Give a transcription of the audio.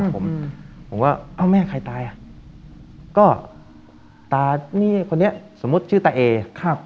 ผมผมก็เอ้าแม่ใครตายอ่ะก็ตานี่คนนี้สมมุติชื่อตาเอครับ